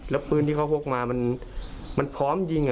แล้วปืนที่เขาพกมามันพร้อมยิง